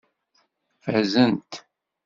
Fazent.